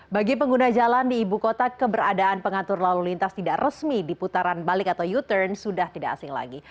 bagi pengguna jalan di ibu kota keberadaan pengatur lalu lintas tidak resmi di putaran balik atau u turn sudah tidak asing lagi